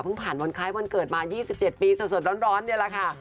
ผ่านวันคล้ายวันเกิดมา๒๗ปีสดร้อนนี่แหละค่ะ